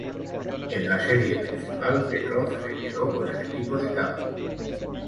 En la serie principal, Petrov se quedó con el equipo de Campos.